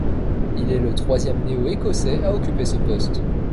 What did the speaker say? Il est le troisième néo-écossais à occuper ce poste.